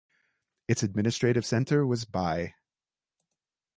Its administrative centre was Buy.